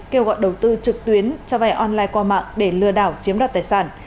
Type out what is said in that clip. kêu gọi đầu tư trực tuyến cho vay online qua mạng để lừa đảo chiếm đoạt tài sản